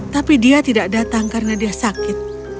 tapi dia tidak datang karena dia sakit